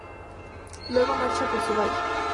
Luego marcha por su valle.